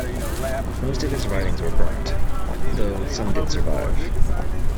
Most of his writings were burned, though some did survive.